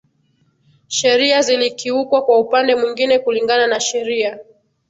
Sheria zilikiukwa kwa upande mwingine Kulingana na sheria